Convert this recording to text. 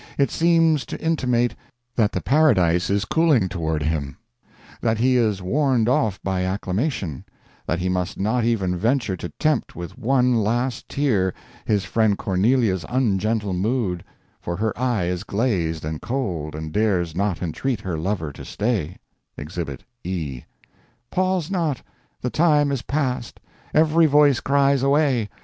It seems to intimate that the paradise is cooling toward him; that he is warned off by acclamation; that he must not even venture to tempt with one last tear his friend Cornelia's ungentle mood, for her eye is glazed and cold and dares not entreat her lover to stay: Exhibit E "Pause not! the time is past! Every voice cries 'Away!'